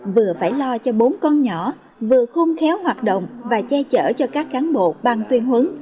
vừa phải lo cho bốn con nhỏ vừa khôn khéo hoạt động và che chở cho các cán bộ ban tuyên huấn